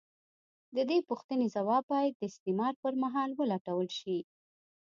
د دې پوښتنې ځواب باید د استعمار پر مهال ولټول شي.